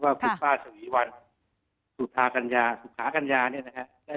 ว่าคุณป้าฉวีวันสุธากัญญาสุขากัญญาเนี่ยนะฮะ